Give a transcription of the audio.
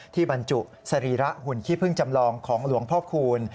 บรรจุสรีระหุ่นขี้พึ่งจำลองของหลวงพ่อคูณ